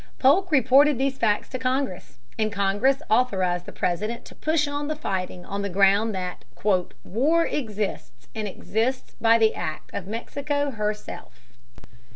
Polk reported these facts to Congress, and Congress authorized the President to push on the fighting on the ground that "war exists, and exists by the act of Mexico herself."